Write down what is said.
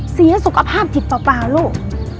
เสียสุขภาพจิตเปล่าลูก